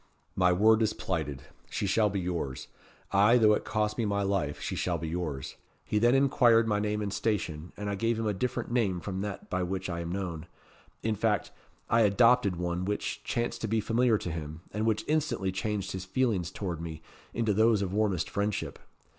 'My word is plighted. She shall be yours. Ay, though it cost me my life, she shall be yours.' He then inquired my name and station, and I gave him a different name from that by which I am known; in fact, I adopted one which chanced to be familiar to him, and which instantly changed his feelings towards me into those of warmest friendship.